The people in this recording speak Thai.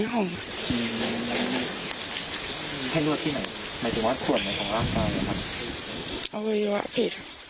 เอานไฟ